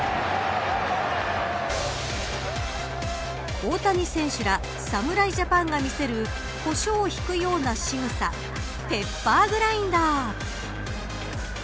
大谷選手ら侍ジャパンが見せるコショウをひくようなしぐさペッパーグラインダー。